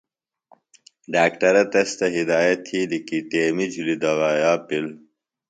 ڈاکٹرہ تس تھےۡ ہدایت تِھیلیۡ کی ٹیمیۡ جُھلیۡ دوایا پِل۔